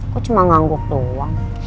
kok cuma ngangguk doang